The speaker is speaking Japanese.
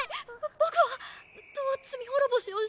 僕はどう罪滅ぼしをしたら。